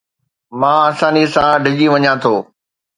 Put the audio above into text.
مان آساني سان ڊڄي وڃان ٿو